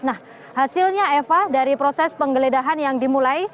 nah hasilnya eva dari proses penggeledahan yang dimulai